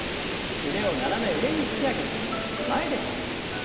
腕を斜め上に引き上げて前で交差。